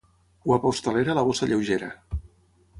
Guapa hostalera, la bossa alleugera.